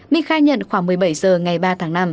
minh khai nhận khoảng một mươi bảy giờ ngày ba tháng năm